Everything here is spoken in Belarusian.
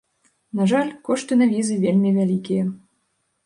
На жаль, кошты на візы вельмі вялікія.